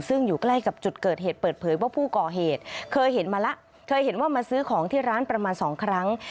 ซึ่งอยู่ใกล้กับจุดเกิดเหตุเปิดเผยว่าผู้ก่อเหตุเคยเห็นมาแล้วเคยเห็นว่ามาซื้อของที่ร้านประมาณสองครั้ง